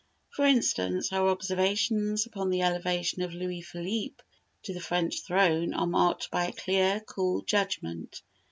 For instance, her observations upon the elevation of Louis Philippe to the French throne are marked by a clear, cool judgment.